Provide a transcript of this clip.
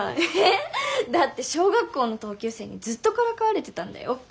えっ？だって小学校の同級生にずっとからかわれてたんだよ。